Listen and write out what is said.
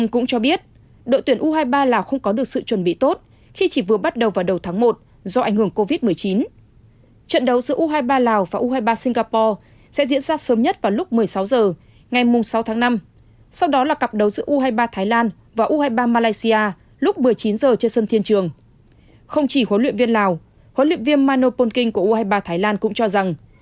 không chỉ hội luyện viên lào hội luyện viên mano polking của u hai mươi ba thái lan cũng cho rằng